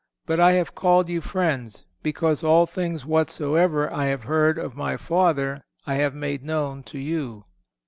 But I have called you friends, because all things whatsoever I have heard of My Father I have made known to you."